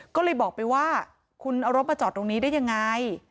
ก็เลยบอกไปว่าคุณเอารถมาจอดตรงนี้ได้ยังไง